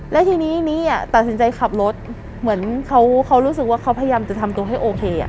แล้วทีนี้นี้ตัดสินใจขับรถเหมือนเขารู้สึกว่าเขาพยายามจะทำตัวให้โอเค